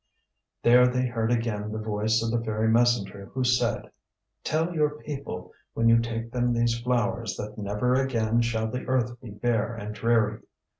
There they heard again the voice of the fairy messenger who said, "Tell your people when you take them these flowers that never again shall the earth be bare and dreary.